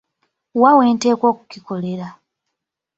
Wa wenteekwa okukikolera ?